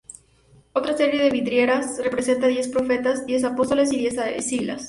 Otra serie de vidrieras representa a diez profetas, diez apóstoles y diez sibilas.